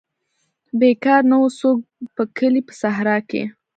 بیکار نه وو څوک په کلي په صحرا کې.